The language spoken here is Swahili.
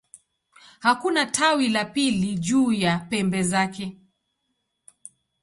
Hakuna tawi la pili juu ya pembe zake.